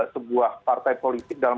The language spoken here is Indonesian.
sebuah partai politik dalam